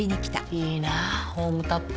いいなホームタップ。